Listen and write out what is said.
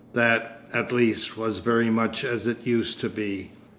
That, at least, was very much as it used to be.